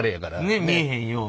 ね見えへんように。